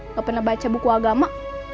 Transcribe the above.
nggak pernah baca buku agama